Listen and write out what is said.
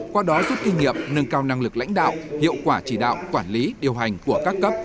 qua đó rút kinh nghiệm nâng cao năng lực lãnh đạo hiệu quả chỉ đạo quản lý điều hành của các cấp